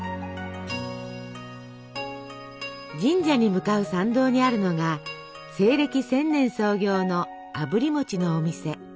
神社に向かう参道にあるのが西暦１０００年創業のあぶり餅のお店。